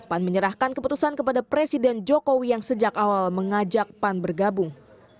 pan menyerahkan keputusan kepada presiden jokowi yang sejak awal mengajak pan bergabung